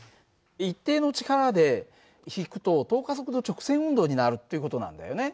一定の力で引くと等加速度直線運動になるっていう事なんだよね。